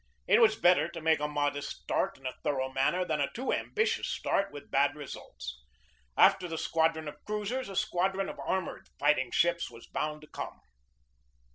It was better to make a modest start in a thorough manner than a too ambitious start with bad results. After the squad ron of cruisers a squadron of armored fighting ships was bound to come.